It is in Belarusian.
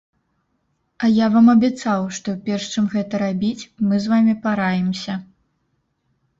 А я вам абяцаў, што, перш чым гэта рабіць, мы з вамі параімся.